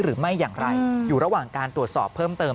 หรือไม่อย่างไรอยู่ระหว่างการตรวจสอบเพิ่มเติม